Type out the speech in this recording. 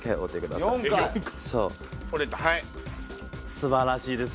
素晴らしいです。